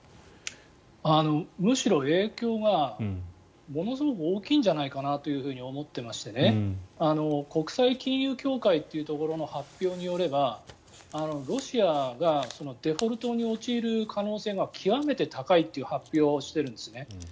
むしろ影響がものすごく大きいんじゃないかなと思っていまして国際金融協会というところの発表によれば、ロシアがデフォルトに陥る可能性が極めて高いという発表をしているんですね。